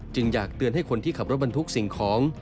อยากเตือนให้คนที่ขับรถบรรทุกสิ่งของ